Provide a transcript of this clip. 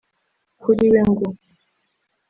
Kuri we ngo